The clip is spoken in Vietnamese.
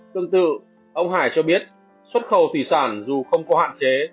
tương tự ông hải cho biết xuất khẩu thủy sản dù không có hạn chế